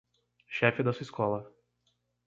Chefe da sua escola